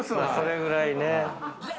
それぐらいね。